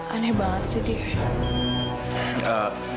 aneh banget sih dia